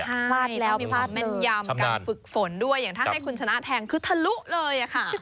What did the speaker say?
พลาดแล้วมีความแม่นยำการฝึกฝนด้วยอย่างถ้าให้คุณชนะแทงคือทะลุเลยอะค่ะ